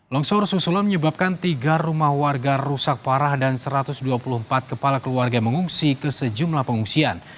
longsor susulan menyebabkan tiga rumah warga rusak parah dan satu ratus dua puluh empat kepala keluarga mengungsi ke sejumlah pengungsian